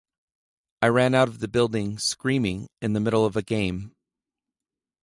I ran out of the building screaming in the middle of a game.